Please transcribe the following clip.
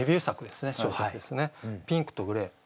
「ピンクとグレー」。